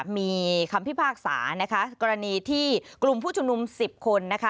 มีคำพิพากษากรณีที่กลุ่มผู้ชมนุม๑๐คน